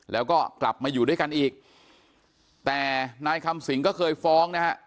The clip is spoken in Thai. แล้วก็กลับมาอยู่ด้วยกันอีกแต่นายคำสิงก็เคยฟ้องนะฮะ